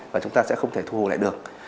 và chúng ta sẽ không thể thu hồi lại được